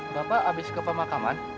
bapak habis ke pemakaman